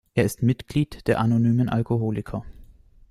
Er ist Mitglied der Anonymen Alkoholiker.